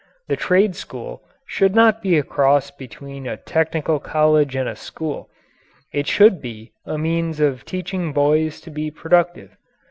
The trade school should not be a cross between a technical college and a school; it should be a means of teaching boys to be productive.